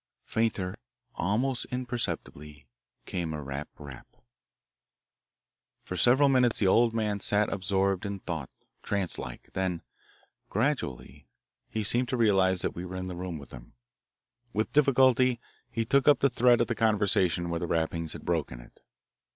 Fainter, almost imperceptibly, came a rap! rap! For several minutes the old man sat absorbed in thought, trance like. Then, gradually, he seemed to realise that we were in the room with him. With difficulty he took up the thread of the conversation where the rappings had broken it.